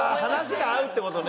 話が合うって事ね？